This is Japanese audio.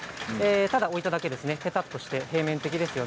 ただ置いただけです、てかっとして平面的ですよね。